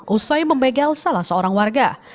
usai membegal salah seorang warga